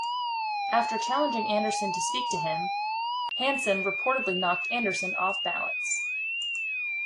After challenging Anderson to speak to him, Hansen reportedly knocked Anderson off-balance.